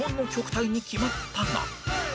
タイに決まったが